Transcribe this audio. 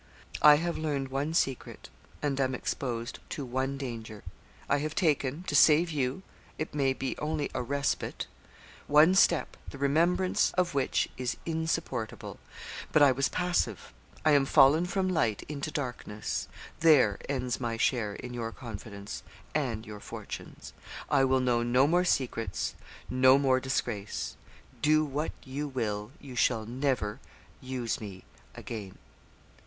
'I have learned one secret, and am exposed to one danger. I have taken to save you it may be only a respite one step, the remembrance of which is insupportable. But I was passive. I am fallen from light into darkness. There ends my share in your confidence and your fortunes. I will know no more secrets no more disgrace; do what you will, you shall never use me again.'